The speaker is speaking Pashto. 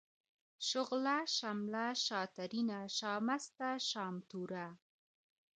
شغله ، شمله ، شاترينه ، شامسته ، شامتوره ،